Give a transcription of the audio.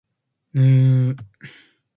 Jones attended University of Alabama.